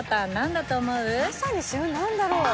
何だろう？